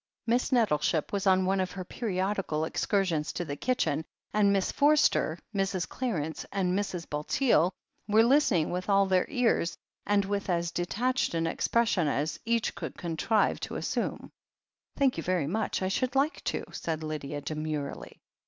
Miss Nettleship was on one of her periodical excur sions to the kitchen, and Miss Forster, Mrs. Clarence, and Mrs. Bulteel were listening with all their ears, and with as detached an expression as each could contrive to assume. "Thank you very much, I should like to," said Lydia demurely.